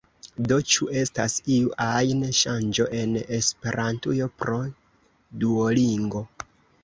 Do, ĉu estas iu ajn ŝanĝo en Esperantujo pro Duolingo?